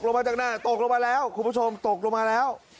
มาจากหน้าตกลงมาแล้วคุณผู้ชมตกลงมาแล้ว